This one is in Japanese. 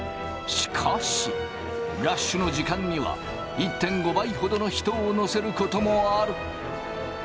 しかしラッシュの時間には１．５倍ほどの人を乗せることもある。